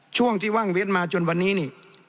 ช่วงที่ว่างเว้นมาจนวันนี้นี่